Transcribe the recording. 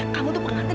kamu tuh pengantin